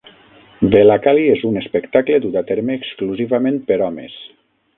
Velakali és un espectacle dut a terme exclusivament per homes.